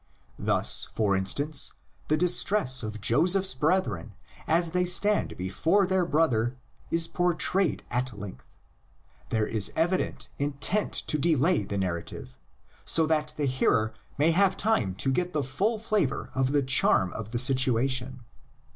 Thus, for instance, the distress of Joseph's brethren as they stand before their brother is portrayed at length; there is evident intent to delay the narrative, so that the hearer may have time to get the full flavor of the charm of the situation.